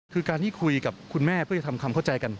คือการที่คุยกับคุณแม่เพื่อจะทำความเข้าใจกัน